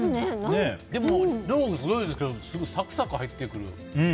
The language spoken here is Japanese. でも量もすごいですけどサクサク入ってくる。